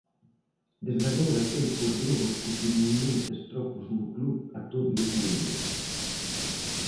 Desde agora, tempos novos cos inminentes trocos no club a tódolos niveis.